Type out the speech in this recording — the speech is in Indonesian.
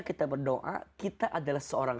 kita berdoa kita adalah seorang